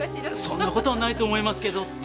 そんな事はないと思いますけど。